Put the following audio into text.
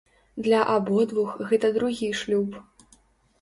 Для абодвух гэта другі шлюб.